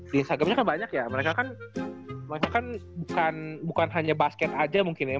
di instagramnya kan banyak ya mereka kan maksudnya kan bukan hanya basket aja mungkin ya